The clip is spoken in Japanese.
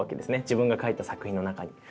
自分が書いた作品の中に。